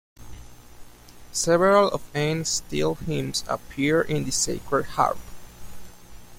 Several of Anne Steele's hymns appear in the Sacred Harp.